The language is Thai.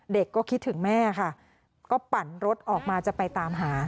เด็กก็คิดถึงแม่ค่ะก็ปั่นรถออกมาจะไปตามหา